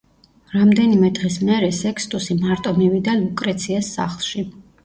რამდენიმე დღის მერე სექსტუსი მარტო მივიდა ლუკრეციას სახლში.